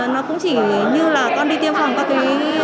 nó cũng chỉ như là con đi tiêm khoảng có cái